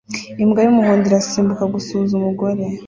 Imbwa y'umuhondo irasimbuka gusuhuza umugore